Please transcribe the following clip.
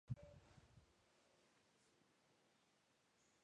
Siempre están juntos.